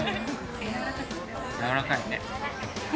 やわらかいね。